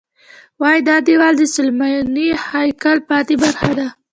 وایي دا دیوال د سلیماني هیکل پاتې برخه ده.